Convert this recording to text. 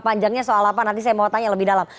panjangnya soal apa nanti saya mau tanya lebih dalam